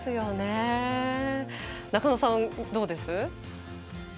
中野さん、どうです？